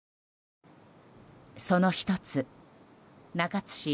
その１つ、中津市